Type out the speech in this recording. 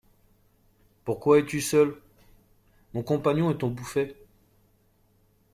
Pourquoi es-tu seul ? Mon compagnon est au Bouffay.